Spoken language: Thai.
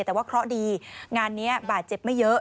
แต่ว่าเคราะห์ดีงานนี้บาดเจ็บไม่เยอะ